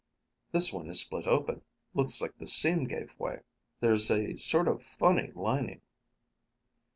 "This one is split open. Looks like the seam gave way. There's a sort of funny lining."